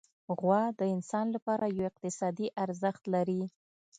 غوا د انسان لپاره یو اقتصادي ارزښت لري.